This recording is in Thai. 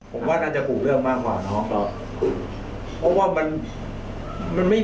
ผมว่าน่าจะผูกเรื่องมากกว่าน้องครอบ